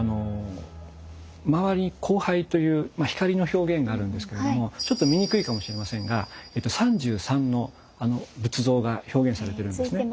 周りに光背という光の表現があるんですけれどもちょっと見にくいかもしれませんが３３の仏像が表現されてるんですね。